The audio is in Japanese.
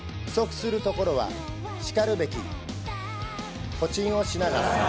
不足するところはしかるべきホチンをしながら。